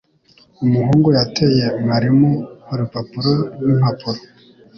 Umuhungu yateye mwarimu urupapuro rwimpapuro.